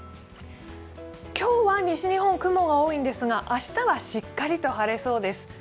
今日は西日本、雲が多いんですが明日はしっかりと晴れそうです。